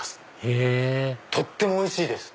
へぇとってもおいしいです。